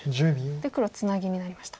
黒ツナギになりました。